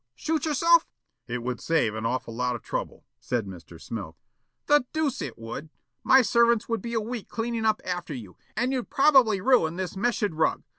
Shoot yourself?" "It would save an awful lot of trouble," said Mr. Smilk. "The deuce it would! My servants would be a week cleaning up after you, and you'd probably ruin this Meshed rug.